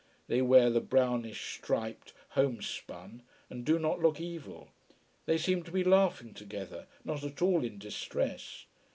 They wear the brownish striped homespun, and do not look evil. They seem to be laughing together, not at all in distress.